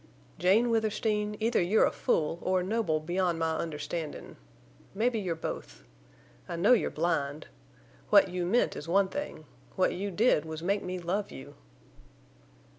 "Jane Withersteen, either you're a fool or noble beyond my understandin'. Mebbe you're both. I know you're blind. What you meant is one thing—what you did was to make me love you."